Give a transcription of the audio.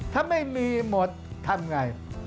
ถ้าไม่มีหมดทำไง